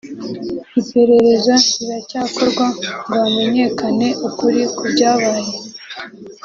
Iperereza riracyakorwa ngo hamenyekane ukuri ku byabaye